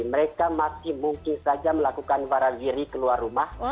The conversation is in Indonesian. mereka masih mungkin saja melakukan waran diri keluar rumah